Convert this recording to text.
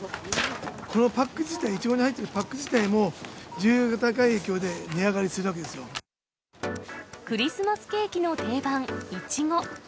このパック自体、イチゴが入っているパック自体、重油が高い影響で値上がりするわクリスマスケーキの定番、イチゴ。